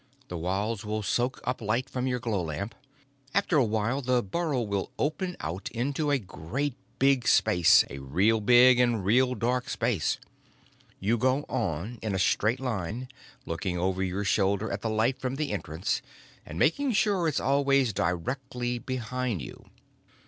The walls will soak up light from your glow lamp. After a while, the burrow will open out into a great big space, a real big and real dark space. You go on in a straight line, looking over your shoulder at the light from the entrance and making sure it's always directly behind you.